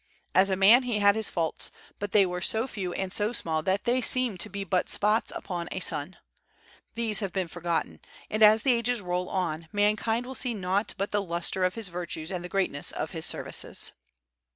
As a man he had his faults, but they were so few and so small that they seem to be but spots upon a sun. These have been forgotten; and as the ages roll on mankind will see naught but the lustre of his virtues and the greatness of his services.